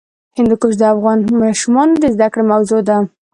هندوکش د افغان ماشومانو د زده کړې موضوع ده.